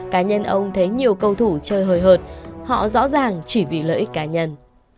cá nhân ông thấy nhiều cầu thủ chơi hời hợt họ rõ ràng chỉ vì lợi ích cá nhân